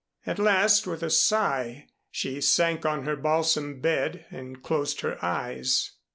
At last with a sigh, she sank on her balsam bed and closed her eyes.